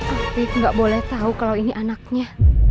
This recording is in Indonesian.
aku gak boleh tahu kalau ini anaknya